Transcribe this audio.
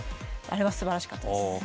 あれはすばらしかったです。